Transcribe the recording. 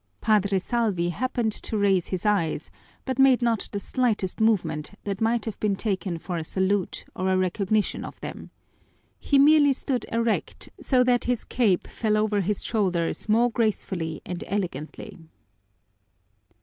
Padre Salvi happened to raise his eyes, but made not the slightest movement that might have been taken for a salute or a recognition of them. He merely stood erect, so that his cope fell over his shoulders more gracefully and elegantly.